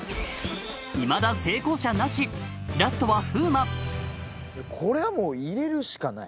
いまだ成功者なしラストはこれはもう入れるしかない。